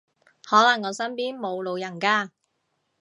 可能我身邊冇老人家